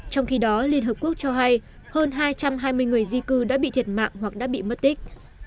trong khi đó liên hợp quốc cho hay hơn hai trăm hai mươi người di cư đã bị thiệt mạng hoặc đã bị mất tích